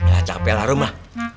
ya capek lah rumah